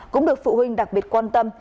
cũng được phụ huynh đặc biệt quan tâm